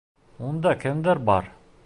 Унда кемдер бар!